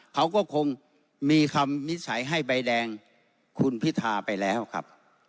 เขาก็คงมีคำวินิจฉัยให้ใบแดงคุณพิธาไปแล้วครับ